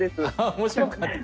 面白かった？